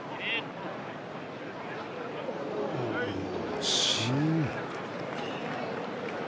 惜しい。